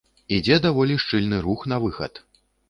Ідзе даволі шчыльны рух на выхад.